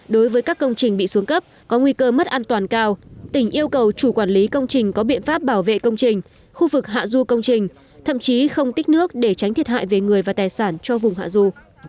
đối với các công trình bị xuống cấp có nguy cơ mất an toàn cao tỉnh yêu cầu chủ quản lý công trình có biện pháp bảo vệ công trình khu vực hạ du công trình thậm chí không tích nước để tránh thiệt hại về người và tài sản cho vùng hạ du